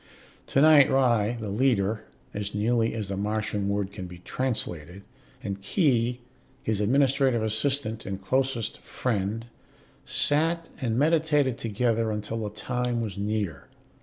Tonight Ry, the leader (as nearly as the Martian word can be translated), and Khee, his administrative assistant and closest friend, sat and meditated together until the time was near.